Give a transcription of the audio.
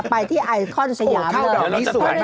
ไปที่ไอคอนสยามเข้าดาวนี้สวยมาก